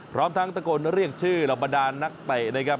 พร้อมทั้งตะโกนเรียกชื่อรับบรรดานนักเตะนะครับ